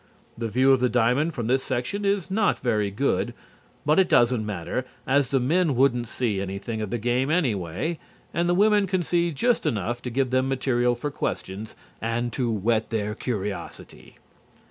The view of the diamond from this section is not very good, but it doesn't matter, as the men wouldn't see anything of the game anyway and the women can see just enough to give them material for questions and to whet their curiosity.